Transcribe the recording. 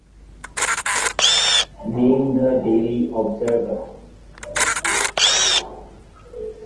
নাম The Daily observer.